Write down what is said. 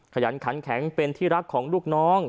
ขยันขันแข็งเป็นที่รักของลูกน้อง